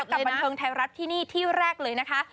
กับบันเทิงไทยรัฐที่นี่ที่แรกเลยนะคะ